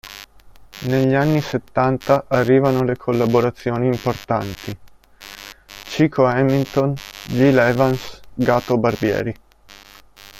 Negli anni settanta arrivano le collaborazioni importanti: Chico Hamilton, Gil Evans, Gato Barbieri.